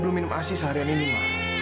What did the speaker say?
mama benci sama kamilah